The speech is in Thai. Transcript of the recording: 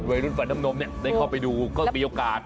ไอ้รุ่นฝนพรรตนมเนี่ยได้เข้าไปดูก็มีโอกาส